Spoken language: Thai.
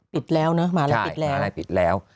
ปิดแล้วนะมาร่ายปิดแล้ว